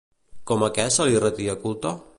Com a què se li retia culte?